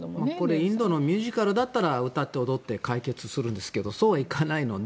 インドのミュージカルだったら歌って、踊って解決するんですけどそうはいかないので。